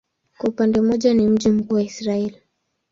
Kwa upande mmoja ni mji mkuu wa Israel.